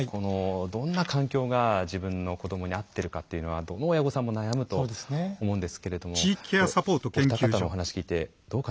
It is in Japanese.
どんな環境が自分の子どもに合ってるかっていうのはどの親御さんも悩むと思うんですけれどもお二方のお話聞いてどう感じましたか？